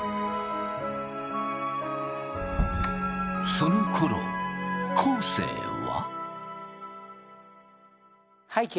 そのころ昴生は。